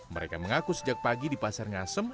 mereka mengaku sejak pagi di pasar ngasem